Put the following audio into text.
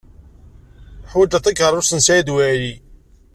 Ḥwajeɣ takeṛṛust n Saɛid Waɛli.